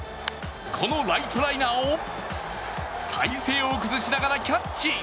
このライトライナーを体勢を崩しながらキャッチ。